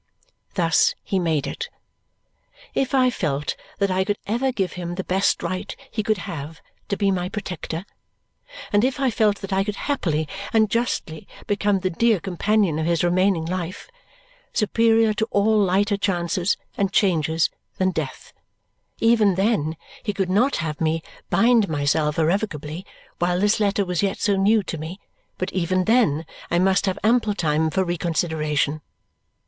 Thus he made it. If I felt that I could ever give him the best right he could have to be my protector, and if I felt that I could happily and justly become the dear companion of his remaining life, superior to all lighter chances and changes than death, even then he could not have me bind myself irrevocably while this letter was yet so new to me, but even then I must have ample time for reconsideration.